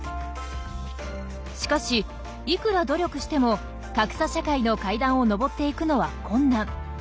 しかしいくら努力しても格差社会の階段を上っていくのは困難。